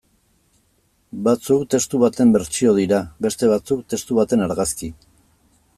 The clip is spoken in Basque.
Batzuk testu baten bertsio dira, beste batzuk testu baten argazki.